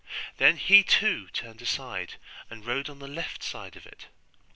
Then he too turned aside and rode on the left side of it.